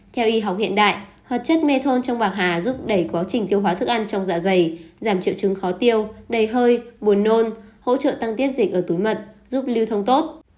theo y học hiện đại hóa chất mê thôn trong bào hà giúp đẩy quá trình tiêu hóa thức ăn trong dạ dày giảm triệu chứng khó tiêu đầy hơi buồn nôn hỗ trợ tăng tiết dịch ở túi mật giúp lưu thông tốt